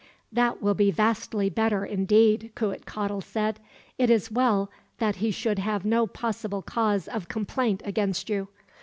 "That will be vastly better, indeed," Cuitcatl said. "It is well that he should have no possible cause of complaint against you.